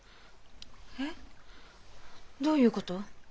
えっどういう事？